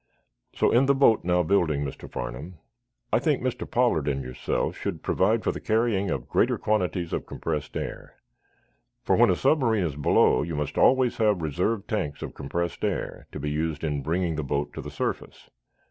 "So, in the boat now building, Mr. Farnum, I think Mr. Pollard and yourself should provide for the carrying of greater quantities of compressed air. For, when a submarine is below, you must always have reserve tanks of compressed air to be used in bringing the boat to the surface.